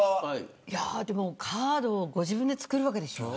カードをご自分で作るわけでしょ。